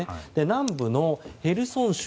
南部のヘルソン州